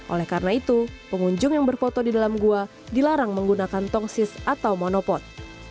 oleh karena itu pengunjung yang berfoto di dalam gua dilarang menggunakan tongsis atau monopot